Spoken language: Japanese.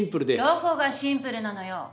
どこがシンプルなのよ。